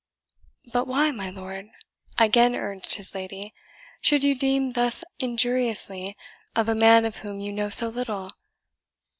"But why, my lord," again urged his lady, "should you deem thus injuriously of a man of whom you know so little?